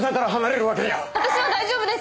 私は大丈夫です！